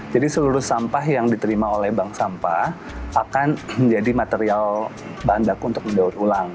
jadi seluruh sampah yang diterima oleh bank sampah akan menjadi material bahan baku untuk di daun ulang